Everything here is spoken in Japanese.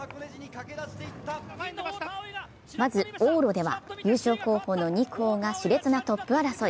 まず往路では、優勝候補の２校がしれつなトップ争い。